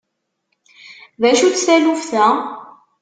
D acu-tt taluft-a?